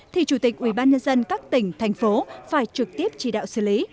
thì chủ tịch ubnd các tỉnh thành phố phải trực tiếp chỉ đạo xử lý